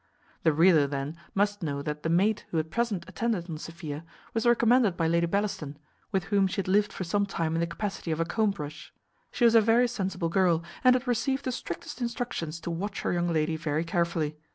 The reader then must know that the maid who at present attended on Sophia was recommended by Lady Bellaston, with whom she had lived for some time in the capacity of a comb brush: she was a very sensible girl, and had received the strictest instructions to watch her young lady very carefully.